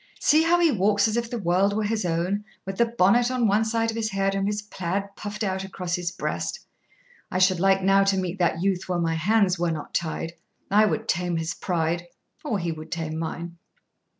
See how he walks as if the world were his own, with the bonnet on one side of his head and his plaid puffed out across his breast! I should like now to meet that youth where my hands were not tied: I would tame his pride, or he should tame mine.'